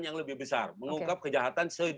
yang lebih besar mengungkap kejahatan